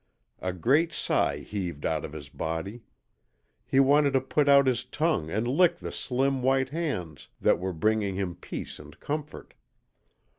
A great sigh heaved out of his body. He wanted to put out his tongue and lick the slim white hands that were bringing him peace and comfort.